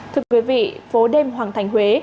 thưa quý vị phố đêm hoàng thành huế